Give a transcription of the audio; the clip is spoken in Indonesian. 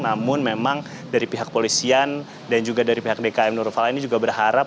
namun memang dari pihak polisian dan juga dari pihak dkm nurufalah ini juga berharap